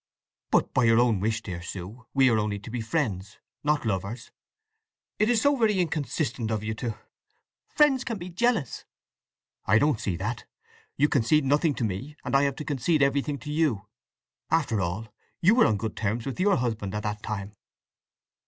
"But by your own wish, dear Sue, we are only to be friends, not lovers! It is so very inconsistent of you to—" "Friends can be jealous!" "I don't see that. You concede nothing to me and I have to concede everything to you. After all, you were on good terms with your husband at that time."